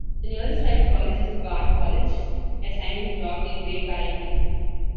The nearest private college is Bard College at Simon's Rock in Great Barrington.